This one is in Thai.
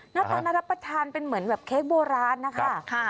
เนี่ยตอนนั้นรับประทานเป็นเหมือนแบบเค้กโบราษนะคะ